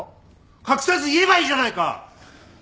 隠さず言えばいいじゃないか！